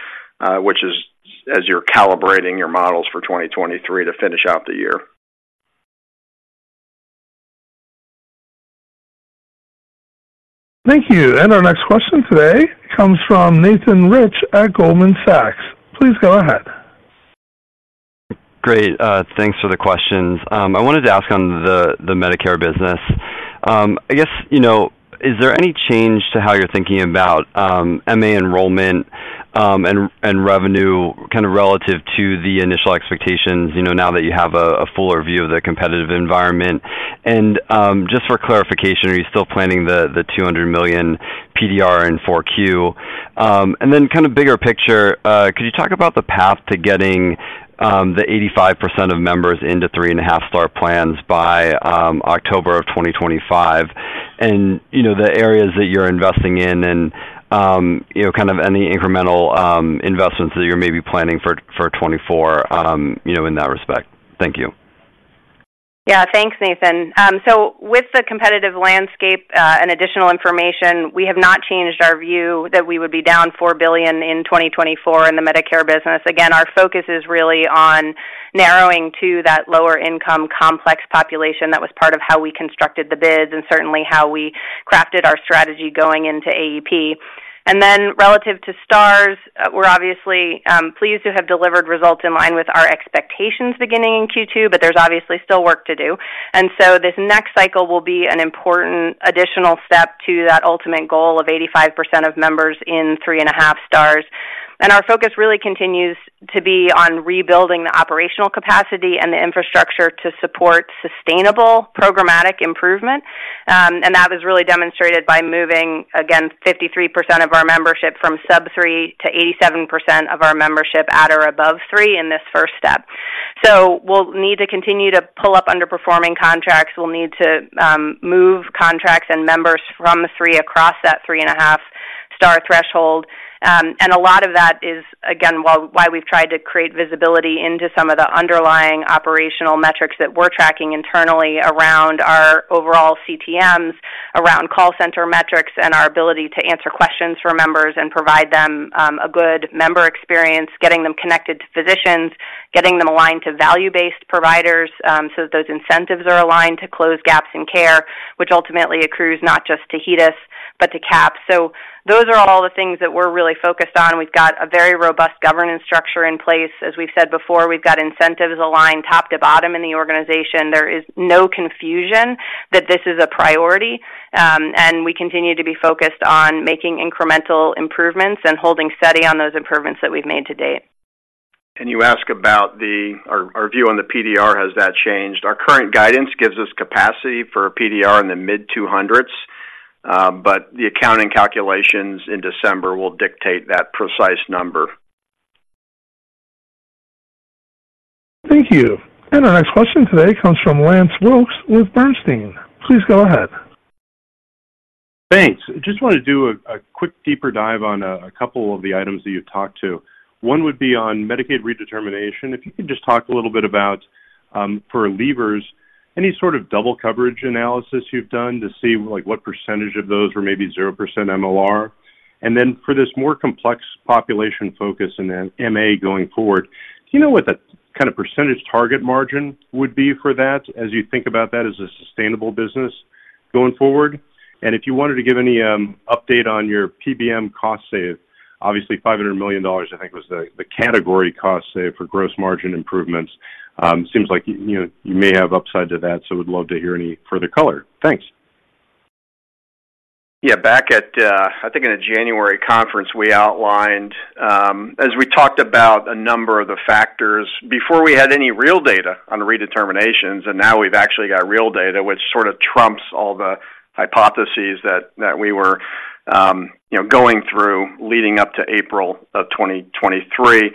which is as you're calibrating your models for 2023 to finish out the year. Thank you. And our next question today comes from Nathan Rich at Goldman Sachs. Please go ahead. Great, thanks for the questions. I wanted to ask on the Medicare business. I guess, you know, is there any change to how you're thinking about MA enrollment and revenue kind of relative to the initial expectations, you know, now that you have a fuller view of the competitive environment? And just for clarification, are you still planning the $200 million PDR in 4Q? And then kind of bigger picture, could you talk about the path to getting the 85% of members into 3.5-star plans by October of 2025, and, you know, the areas that you're investing in and, you know, kind of any incremental investments that you're maybe planning for 2024, you know, in that respect? Thank you. Yeah, thanks, Nathan. So with the competitive landscape and additional information, we have not changed our view that we would be down $4 billion in 2024 in the Medicare business. Again, our focus is really on narrowing to that lower-income, complex population. That was part of how we constructed the bids and certainly how we crafted our strategy going into AEP. And then relative to Stars, we're obviously pleased to have delivered results in line with our expectations beginning in Q2, but there's obviously still work to do. And so this next cycle will be an important additional step to that ultimate goal of 85% of members in 3.5 stars. And our focus really continues to be on rebuilding the operational capacity and the infrastructure to support sustainable programmatic improvement. And that was really demonstrated by moving, again, 53% of our membership from sub three to 87% of our membership at or above three in this first step. So we'll need to continue to pull up underperforming contracts. We'll need to move contracts and members from the three across that 3.5-star threshold. And a lot of that is, again, why, why we've tried to create visibility into some of the underlying operational metrics that we're tracking internally around our overall CTMs, around call center metrics, and our ability to answer questions for members and provide them a good member experience, getting them connected to physicians, getting them aligned to value-based providers, so that those incentives are aligned to close gaps in care, which ultimately accrues not just to HEDIS, but to CAP. Those are all the things that we're really focused on. We've got a very robust governance structure in place. As we've said before, we've got incentives aligned top to bottom in the organization. There is no confusion that this is a priority, and we continue to be focused on making incremental improvements and holding steady on those improvements that we've made to date. You ask about our view on the PDR, has that changed? Our current guidance gives us capacity for PDR in the mid-200s, but the accounting calculations in December will dictate that precise number. Thank you. Our next question today comes from Lance Wilkes with Bernstein. Please go ahead. Thanks. Just want to do a quick deeper dive on a couple of the items that you talked to. One would be on Medicaid redetermination. If you could just talk a little bit about, for leavers, any sort of double coverage analysis you've done to see, like, what percentage of those were maybe 0% MLR? And then for this more complex population focus and then MA going forward, do you know what the kind of percentage target margin would be for that as you think about that as a sustainable business going forward? And if you wanted to give any update on your PBM cost save, obviously, $500 million, I think, was the category cost save for gross margin improvements. Seems like, you know, you may have upside to that, so would love to hear any further color. Thanks. Yeah. Back at, I think in a January conference, we outlined, as we talked about a number of the factors before we had any real data on the redeterminations, and now we've actually got real data, which sort of trumps all the hypotheses that we were, you know, going through leading up to April of 2023.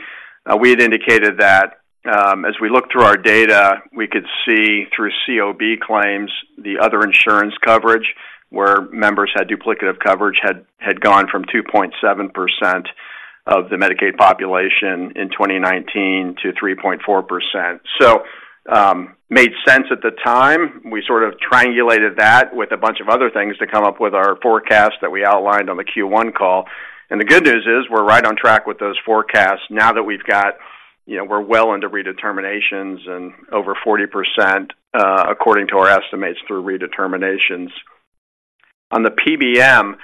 We had indicated that, as we looked through our data, we could see through COB claims, the other insurance coverage, where members had duplicative coverage, had gone from 2.7% of the Medicaid population in 2019 to 3.4%. Made sense at the time. We sort of triangulated that with a bunch of other things to come up with our forecast that we outlined on the Q1 call. The good news is, we're right on track with those forecasts now that we've got, you know, we're well into redeterminations and over 40%, according to our estimates, through redeterminations. On the PBM,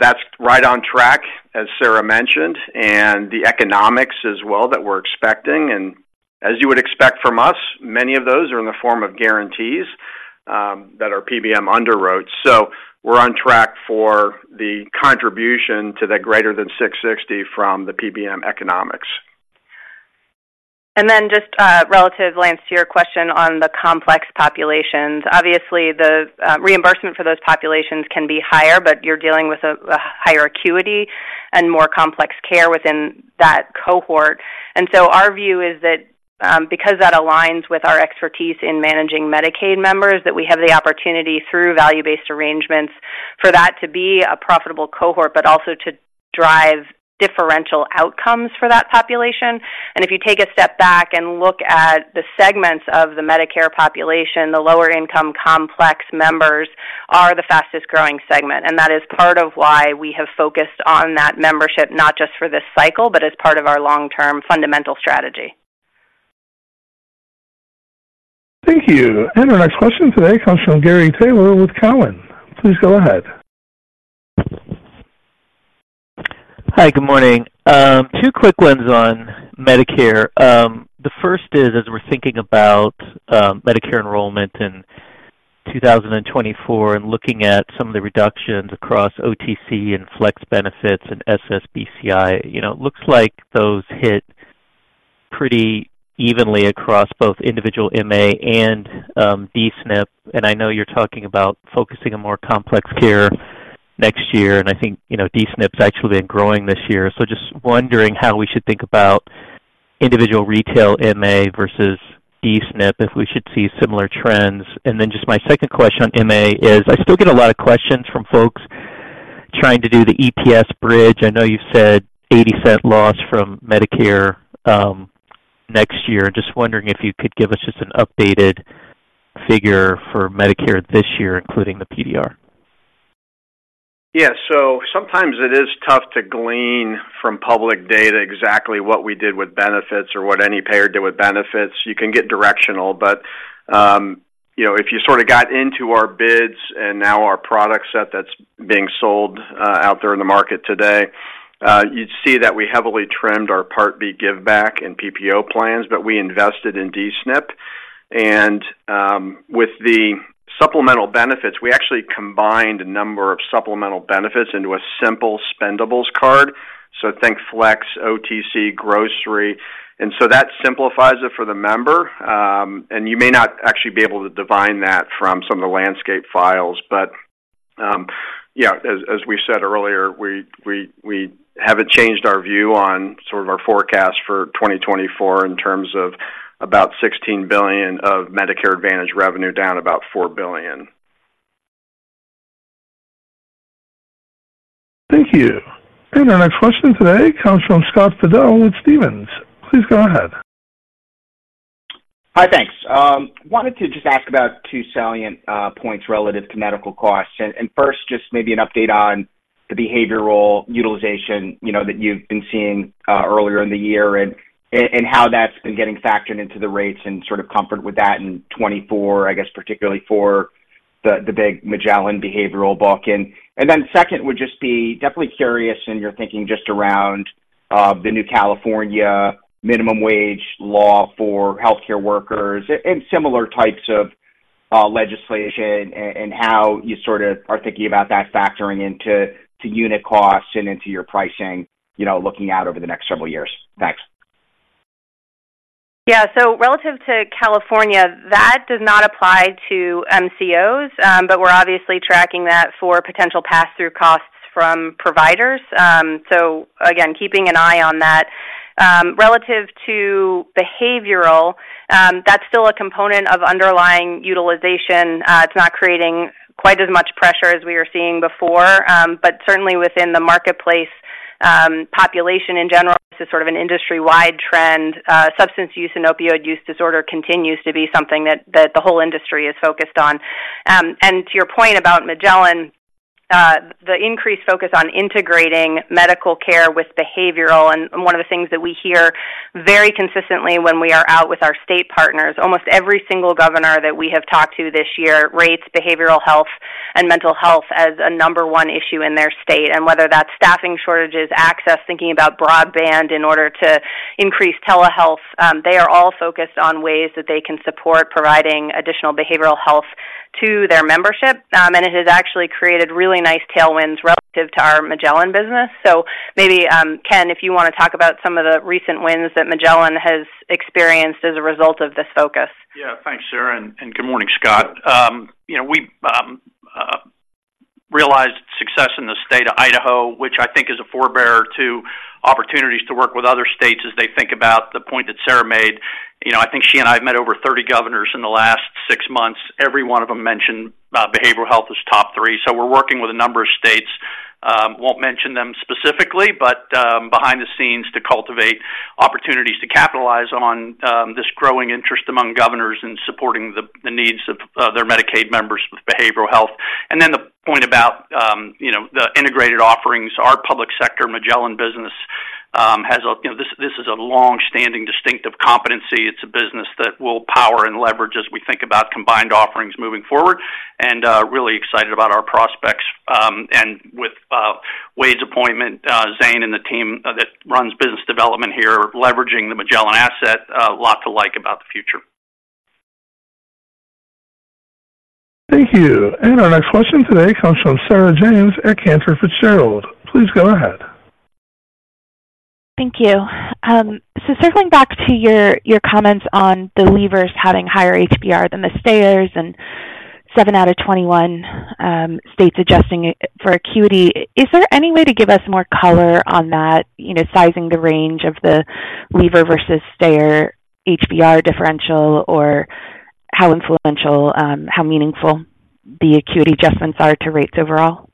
that's right on track, as Sarah mentioned, and the economics as well, that we're expecting. And as you would expect from us, many of those are in the form of guarantees, that our PBM underwrote. So we're on track for the contribution to the greater than $660 million from the PBM economics. And then just relative, Lance, to your question on the complex populations. Obviously, the reimbursement for those populations can be higher, but you're dealing with a higher acuity and more complex care within that cohort. And so our view is that, because that aligns with our expertise in managing Medicaid members, that we have the opportunity, through value-based arrangements, for that to be a profitable cohort, but also to drive differential outcomes for that population. And if you take a step back and look at the segments of the Medicare population, the lower income complex members are the fastest growing segment, and that is part of why we have focused on that membership, not just for this cycle, but as part of our long-term fundamental strategy. Thank you. Our next question today comes from Gary Taylor with Cowen. Please go ahead. Hi, good morning. Two quick ones on Medicare. The first is, as we're thinking about Medicare enrollment in 2024 and looking at some of the reductions across OTC and flex benefits and SSBCI, you know, it looks like those hit pretty evenly across both individual MA and D-SNP. And I know you're talking about focusing on more complex care next year, and I think, you know, D-SNP's actually been growing this year. So just wondering how we should think about individual retail MA versus D-SNP, if we should see similar trends. And then just my second question on MA is, I still get a lot of questions from folks trying to do the EPS bridge. I know you said $0.80 loss from Medicare next year. Just wondering if you could give us just an updated figure for Medicare this year, including the PDR? Yeah, so sometimes it is tough to glean from public data exactly what we did with benefits or what any payer did with benefits. You can get directional, but you know, if you sort of got into our bids and now our product set that's being sold out there in the market today, you'd see that we heavily trimmed our Part B giveback and PPO plans, but we invested in D-SNP. And with the supplemental benefits, we actually combined a number of supplemental benefits into a simple Spendables card. So think flex, OTC, grocery. And so that simplifies it for the member. You may not actually be able to divine that from some of the landscape files, but yeah, as we said earlier, we haven't changed our view on sort of our forecast for 2024 in terms of about $16 billion of Medicare Advantage revenue, down about $4 billion. Thank you. Our next question today comes from Scott Fidel with Stephens. Please go ahead. Hi, thanks. Wanted to just ask about two salient points relative to medical costs. First, just maybe an update on the behavioral utilization, you know, that you've been seeing earlier in the year and how that's been getting factored into the rates and sort of comfort with that in 2024, I guess, particularly for the big Magellan behavioral book. Then, second would just be definitely curious in your thinking just around the new California minimum wage law for healthcare workers and similar types of legislation, and how you sort of are thinking about that factoring into unit costs and into your pricing, you know, looking out over the next several years. Thanks. Yeah. So relative to California, that does not apply to MCOs, but we're obviously tracking that for potential pass-through costs from providers. So again, keeping an eye on that. Relative to behavioral, that's still a component of underlying utilization. It's not creating quite as much pressure as we were seeing before, but certainly within the marketplace, population in general, this is sort of an industry-wide trend. Substance use and opioid use disorder continues to be something that, that the whole industry is focused on. And to your point about Magellan, the increased focus on integrating medical care with behavioral, and one of the things that we hear very consistently when we are out with our state partners, almost every single governor that we have talked to this year rates behavioral health and mental health as a number one issue in their state. And whether that's staffing shortages, access, thinking about broadband in order to increase telehealth, they are all focused on ways that they can support providing additional behavioral health to their membership. And it has actually created really nice tailwinds relative to our Magellan business. So maybe, Ken, if you want to talk about some of the recent wins that Magellan has experienced as a result of this focus. Yeah. Thanks, Sarah, and good morning, Scott. You know, we realized success in the state of Idaho, which I think is a forerunner to opportunities to work with other states as they think about the point that Sarah made. You know, I think she and I have met over 30 governors in the last six months. Every one of them mentioned behavioral health. We're working with a number of states, won't mention them specifically, but behind the scenes to cultivate opportunities to capitalize on this growing interest among governors in supporting the needs of their Medicaid members with behavioral health. And then the point about, you know, the integrated offerings, our public sector Magellan business has, you know, this is a long-standing distinctive competency. It's a business that will power and leverage as we think about combined offerings moving forward, and really excited about our prospects. And with Wade's appointment, Zane and the team that runs business development here, leveraging the Magellan asset, a lot to like about the future. Thank you. Our next question today comes from Sarah James at Cantor Fitzgerald. Please go ahead. Thank you. So circling back to your, your comments on the leavers having higher HBR than the stayers and seven out of 21 states adjusting it for acuity, is there any way to give us more color on that, you know, sizing the range of the leaver versus stayer HBR differential, or how influential, how meaningful the acuity adjustments are to rates overall?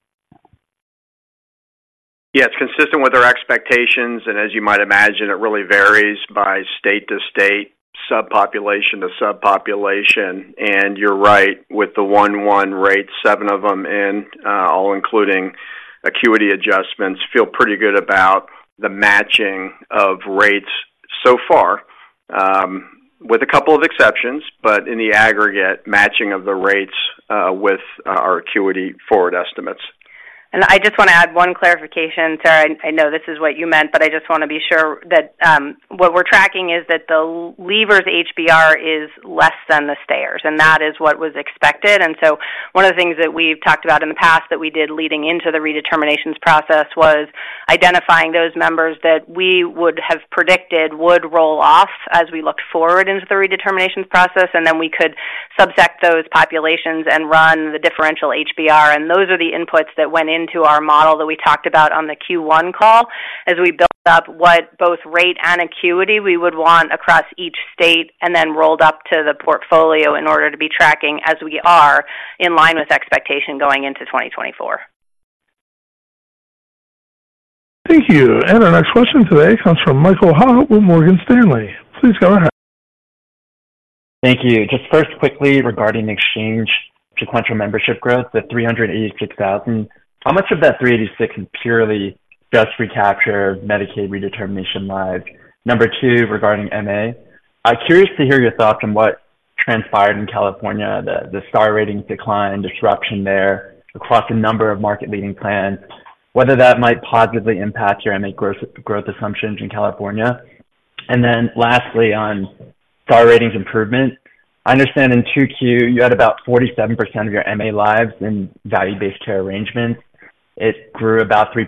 Yeah, it's consistent with our expectations, and as you might imagine, it really varies by state to state, subpopulation to subpopulation. You're right, with the 1:1 rate, seven of them in, all including acuity adjustments, feel pretty good about the matching of rates so far, with a couple of exceptions, but in the aggregate, matching of the rates, with our acuity forward estimates. I just want to add one clarification, Sarah. I know this is what you meant, but I just want to be sure that what we're tracking is that the leavers HBR is less than the stayers, and that is what was expected. So one of the things that we've talked about in the past that we did leading into the redeterminations process was identifying those members that we would have predicted would roll off as we looked forward into the redeterminations process, and then we could subset those populations and run the differential HBR. Those are the inputs that went into our model that we talked about on the Q1 call as we built up what both rate and acuity we would want across each state, and then rolled up to the portfolio in order to be tracking, as we are, in line with expectation going into 2024. Thank you. Our next question today comes from Michael Ha with Morgan Stanley. Please go ahead. Thank you. Just first, quickly, regarding exchange sequential membership growth, the 386,000, how much of that 386 is purely just recapture Medicaid redetermination lives? Number two, regarding MA, I'm curious to hear your thoughts on what transpired in California, the, the Star Ratings decline, disruption there across a number of market-leading plans, whether that might positively impact your MA growth, growth assumptions in California. And then lastly, on Star Ratings improvement. I understand in 2Q, you had about 47% of your MA lives in value-based care arrangements. It grew about 3%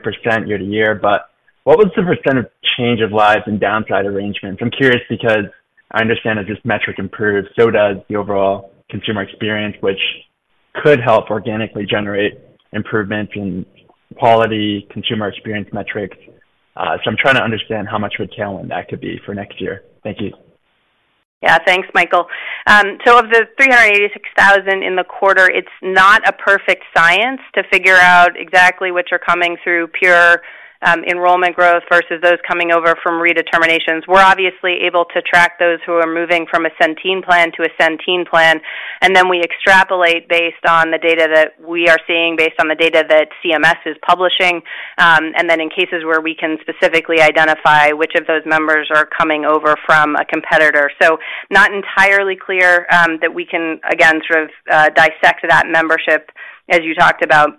year-over-year, but what was the percent of change of lives and downside arrangements? I'm curious because I understand as this metric improves, so does the overall consumer experience, which could help organically generate improvement in quality consumer experience metrics. So, I'm trying to understand how much retail that could be for next year. Thank you. Yeah, thanks, Michael. So of the 386,000 in the quarter, it's not a perfect science to figure out exactly which are coming through pure enrollment growth versus those coming over from redeterminations. We're obviously able to track those who are moving from a Centene plan to a Centene plan, and then we extrapolate based on the data that we are seeing, based on the data that CMS is publishing, and then in cases where we can specifically identify which of those members are coming over from a competitor. So not entirely clear that we can, again, sort of, dissect that membership as you talked about.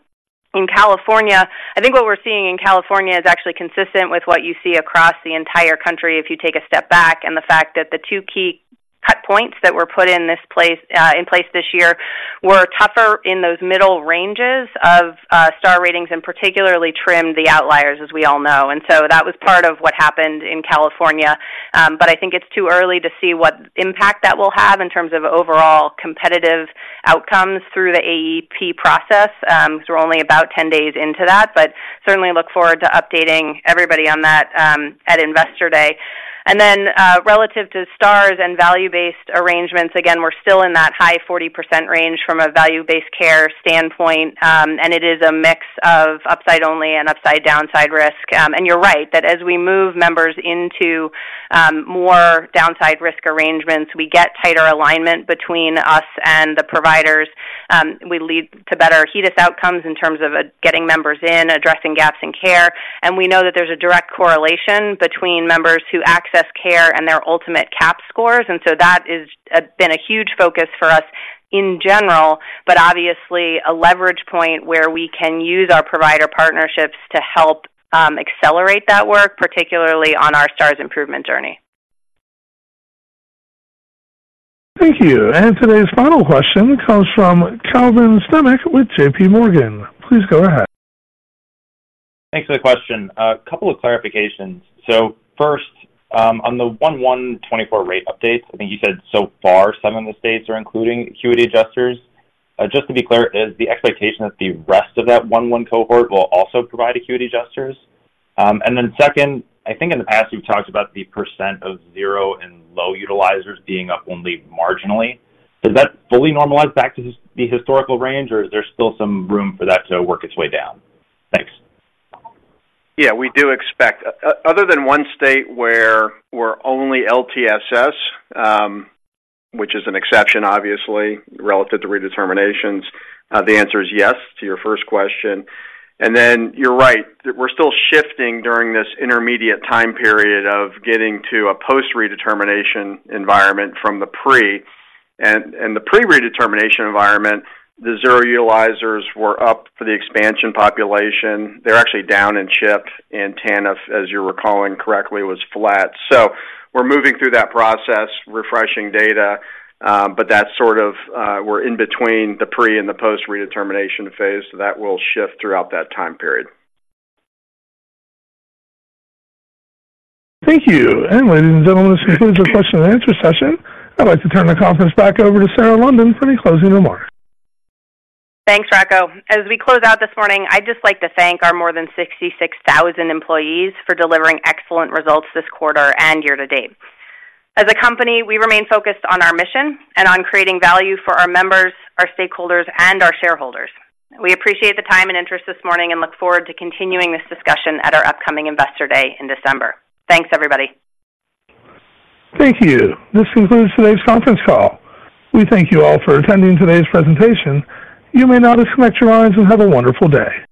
In California, I think what we're seeing in California is actually consistent with what you see across the entire country, if you take a step back, and the fact that the two key cut points that were put in place this year were tougher in those middle ranges of Star Ratings, and particularly trimmed the outliers, as we all know. And so that was part of what happened in California. But I think it's too early to see what impact that will have in terms of overall competitive outcomes through the AEP process, because we're only about 10 days into that, but certainly look forward to updating everybody on that, at Investor Day. And then, relative to Stars and value-based arrangements, again, we're still in that high 40% range from a value-based care standpoint, and it is a mix of upside only and upside-downside risk. And you're right, that as we move members into more downside risk arrangements, we get tighter alignment between us and the providers. We lead to better HEDIS outcomes in terms of getting members in, addressing gaps in care. And we know that there's a direct correlation between members who access care and their ultimate CAHPS scores. And so that is been a huge focus for us in general, but obviously a leverage point where we can use our provider partnerships to help accelerate that work, particularly on our Stars improvement journey. Thank you. Today's final question comes from Calvin Sternick with J.P. Morgan. Please go ahead. Thanks for the question. A couple of clarifications. So first, on the 1/1/2024 rate updates, I think you said so far, some of the states are including acuity adjusters. Just to be clear, is the expectation that the rest of that 1/1 cohort will also provide acuity adjusters? And then second, I think in the past, you've talked about the percent of zero and low utilizers being up only marginally. Has that fully normalized back to the historical range, or is there still some room for that to work its way down? Thanks. Yeah, we do expect... Other than one state where we're only LTSS, which is an exception, obviously, relative to redeterminations, the answer is yes to your first question. And then you're right, we're still shifting during this intermediate time period of getting to a post-redetermination environment from the pre. And the pre-redetermination environment, the zero utilizers were up for the expansion population. They're actually down in CHIP and TANF, as you're recalling correctly, was flat. So we're moving through that process, refreshing data, but that's sort of, we're in between the pre and the post-redetermination phase. So that will shift throughout that time period. Thank you. Ladies and gentlemen, this concludes our question and answer session. I'd like to turn the conference back over to Sarah London for any closing remarks. Thanks, Rocco. As we close out this morning, I'd just like to thank our more than 66,000 employees for delivering excellent results this quarter and year-to-date. As a company, we remain focused on our mission and on creating value for our members, our stakeholders, and our shareholders. We appreciate the time and interest this morning and look forward to continuing this discussion at our upcoming Investor Day in December. Thanks, everybody. Thank you. This concludes today's conference call. We thank you all for attending today's presentation. You may now disconnect your lines and have a wonderful day.